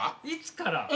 いつから？